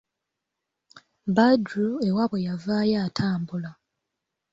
Badru ewaabye yavaayo atambula.